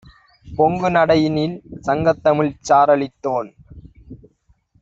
பொங்குநடையினில் 'சங்கத்தமிழ்ச்' சாறளித்தோன்